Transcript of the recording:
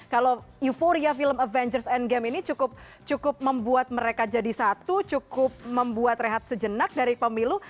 kalau euforia film avengers endgame ini cukup membuat mereka jadi satu cukup membuat rehat sejenak dari pemilu